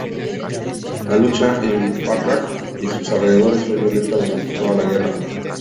La lucha en Pakrac y sus alrededores fue violenta durante toda la guerra.